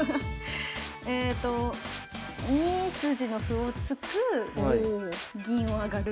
えと２筋の歩を突く銀を上がる。